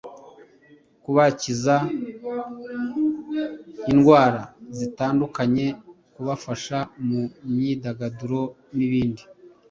kubakiza indwara zitandukanye ,kubafasha mu myidagaduro n’ibindi.”